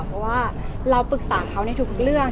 เพราะว่าเราปรึกษาเขาในทุกเรื่อง